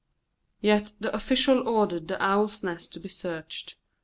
Yet the official ordered the Owl's Nest to be searched.